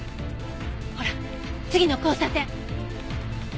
ほら次の交差点！